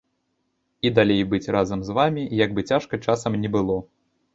І далей быць разам з вамі, як бы цяжка часам ні было.